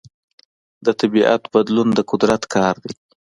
د طبیعت بدلون د قدرت کار دی.